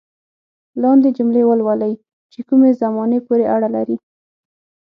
لاندې جملې ولولئ چې کومې زمانې پورې اړه لري.